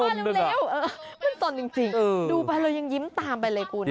เร็วมันสนจริงดูไปเรายังยิ้มตามไปเลยคุณ